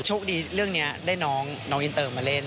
โชคดีเรื่องนี้ได้น้องอินเตอร์มาเล่น